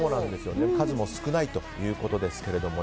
数も少ないということですけど。